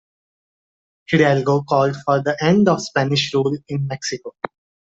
Hidalgo called for the end of Spanish rule in Mexico.